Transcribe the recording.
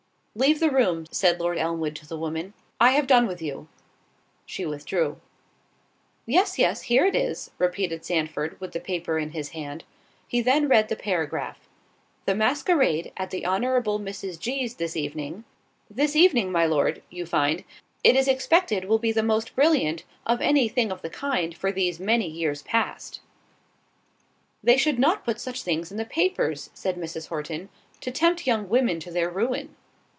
"Leave the room," said Lord Elmwood to the woman, "I have done with you." She withdrew. "Yes, yes, here it is," repeated Sandford, with the paper in his hand.——He then read the paragraph: "'The masquerade at the honorable Mrs. G——'s this evening'—This evening, my Lord, you find—'it is expected will be the most brilliant, of any thing of the kind for these many years past.'" "They should not put such things in the papers," said Mrs. Horton, "to tempt young women to their ruin."